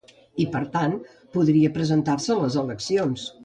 I, per tant, podria presentar-se a les eleccions.